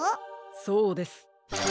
そうです。